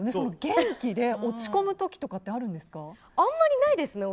元気で、落ち込む時とかってあんまりないですね。